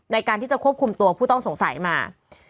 ในการที่จะควบคุมตัวผู้ต้องสงสัยมา